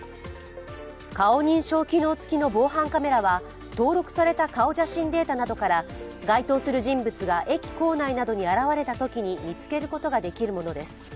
顔認証機能付きの防犯カメラは登録された顔写真データなどから該当する人物が駅構内などに現れたときに見つけることができるものです。